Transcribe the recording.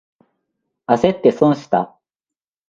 あせって損した。